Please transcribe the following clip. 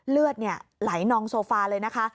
เลือดไหลนองโซฟาเลยนะคะ